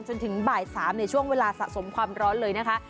จนถึงบ่าย๓ในช่วงเวลาสะสมความร้อนเลยนะคะ